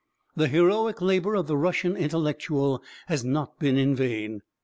The heroic labour of the Russian intellectual has not been in vain.